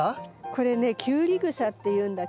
これねキュウリグサっていうんだけど。